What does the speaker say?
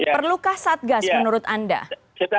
perlukah satgas menurut anda